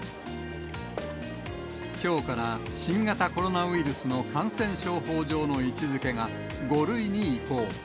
きょうから新型コロナウイルスの感染症法上の位置づけが、５類に移行。